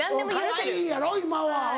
かわいいやろ今は。